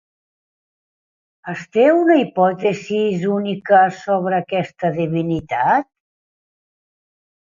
Es té una hipòtesi única sobre aquesta divinitat?